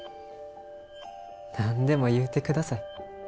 何でも言うて下さい。